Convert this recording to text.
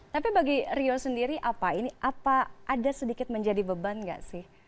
tapi bagi rio sendiri apa ini apa ada sedikit menjadi beban nggak sih